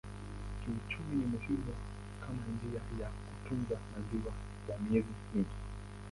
Kiuchumi ni muhimu kama njia ya kutunza maziwa kwa miezi mingi.